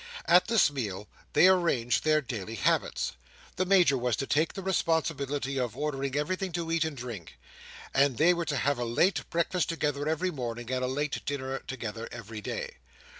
At this meal they arranged their daily habits. The Major was to take the responsibility of ordering everything to eat and drink; and they were to have a late breakfast together every morning, and a late dinner together every day.